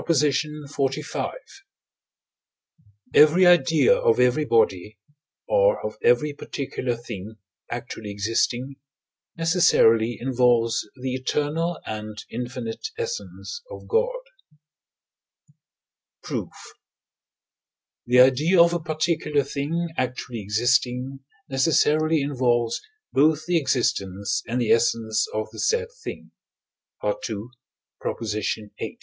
XLV. Every idea of every body, or of every particular thing actually existing, necessarily involves the eternal and infinite essence of God. Proof. The idea of a particular thing actually existing necessarily involves both the existence and the essence of the said thing (II. viii.).